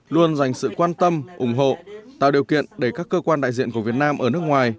luôn dành sự quan tâm ủng hộ tạo điều kiện để các cơ quan đại diện của việt nam ở nước ngoài